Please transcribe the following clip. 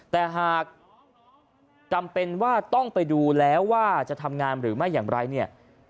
แต่หากจำเป็นว่าต้องไปดูแล้วว่าจะทำงานหรือไม่อย่างไรเนี่ย